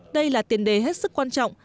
đây là tiền đề hết sức quan trọng